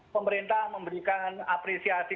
pemerintah memberikan apresiasi